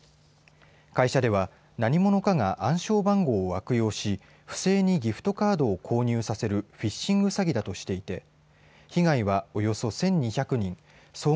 会社では何者かが暗証番号を悪用し不正にギフトカードを購入させるフィッシング詐欺だとしていて被害は、およそ１２００人。